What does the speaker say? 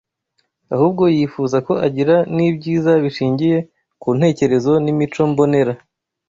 ahubwo yifuza ko agira n’ibyiza bishingiye ku ntekerezo n’imico mbonera